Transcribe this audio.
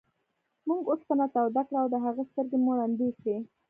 موږ اوسپنه توده کړه او د هغه سترګې مو ړندې کړې.